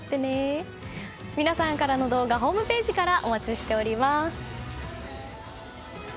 皆さんからの動画ホームページからお待ちしています。